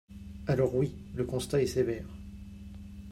Alors oui, le constat est sévère.